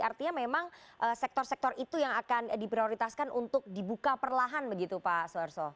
artinya memang sektor sektor itu yang akan diprioritaskan untuk dibuka perlahan begitu pak suarso